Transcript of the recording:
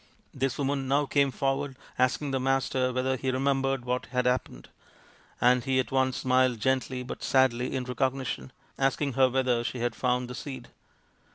This woman now came forward asking the Master whether he remembered what had happened, and he at once smiled gently but sadly in recognition, asking her whether she had found the seed.